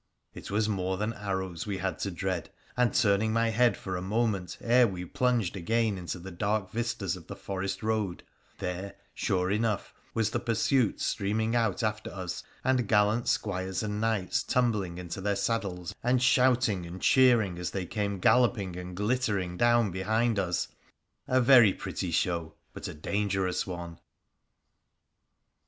It was more than arrows we had to dread, and, turning my head for a moment ere we plunged again into dark vistas of the forest road, there, sure enough, was the pursuit streaming out after us, and gallant squires and knights tumbling into their saddles and shouting and cheering as they came galloping and glittering down behind us — a very pretty show, but a dangerous one.